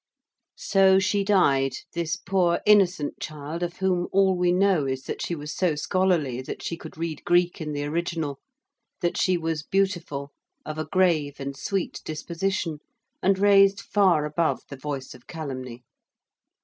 So she died, this poor innocent child of whom all we know is that she was so scholarly that she could read Greek in the original: that she was beautiful: of a grave and sweet disposition: and raised far above the voice of calumny.